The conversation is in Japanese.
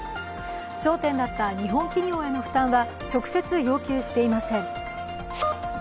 焦点だった日本企業への負担は直接要求していません。